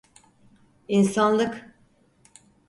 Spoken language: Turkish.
İnsanlık…